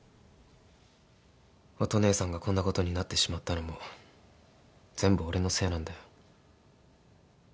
乙姉さんがこんなことになってしまったのも全部俺のせいなんだよ。